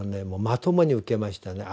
まともに受けましたね。